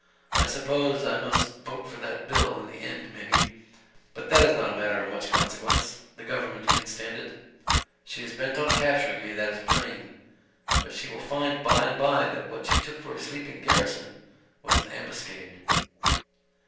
I suppose I must vote for that bill, in the end maybe; but that is not a matter of much consequence the government can stand it. She is bent on capturing me, that is plain; but she will find by and by that what she took for a sleeping garrison was an ambuscade."